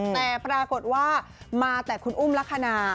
แต่ปรากฏว่ามาแต่คุณอุ้มลักษณะ